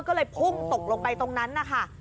ก็เลยพุ่งตกลงไปตรงนั้นนะคะ